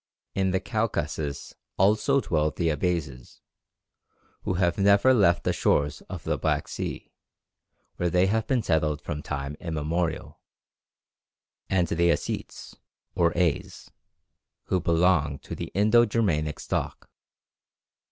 In the Caucasus also dwell the Abazes who have never left the shores of the Black Sea, where they have been settled from time immemorial and the Ossetes, or As, who belong to the Indo Germanic stock.